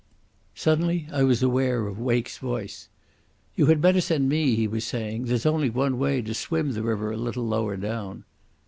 Suddenly I was aware of Wake's voice. "You had better send me," he was saying. "There's only one way—to swim the river a little lower down."